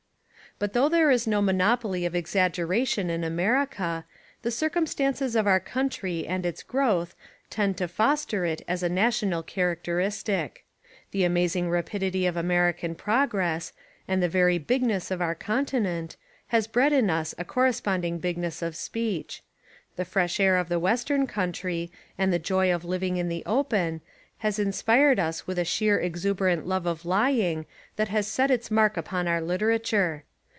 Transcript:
But though there is no monopoly of exag geration in America, the circumstances of our country and its growth tend to foster it as a national characteristic. The amazing rapidity of American progress, and the very bigness of our continent, has bred in us a corresponding bigness of speech; the fresh air of the western country, and the joy of living in the open, has inspired us with a sheer exuberant love of lying that has set its mark upon our literature.